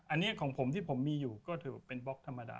อันนี้ของผมที่ผมมีอยู่ก็ถือเป็นบล็อกธรรมดา